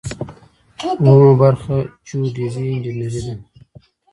اوومه برخه جیوډیزي انجنیری ده.